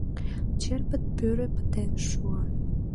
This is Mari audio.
Черпыт пӱрӧ пытен шуо.